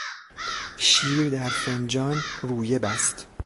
شیر در فنجان رویه بست.